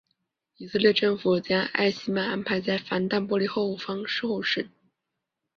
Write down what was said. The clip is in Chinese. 以色列政府将艾希曼安排在防弹玻璃后方受审。